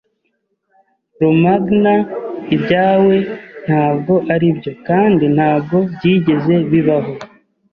Romagna ibyawe ntabwo aribyo kandi ntabwo byigeze bibaho